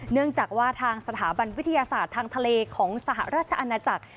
เนื่องจากว่าทางสถาบันวิทยาศาสตร์ทางทะเลของสหราชอาณาจักร